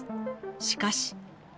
しかし。